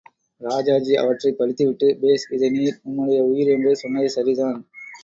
ராஜாஜி அவற்றைப் படித்துவிட்டு பேஷ் இதை நீர் உம்முடைய உயிர் என்று சொன்னது சரிதான்!